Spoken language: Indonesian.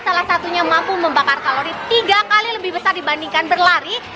salah satunya mampu membakar kalori tiga kali lebih besar dibandingkan berlari